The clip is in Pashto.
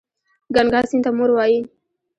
ګنګا سیند ته مور وايي.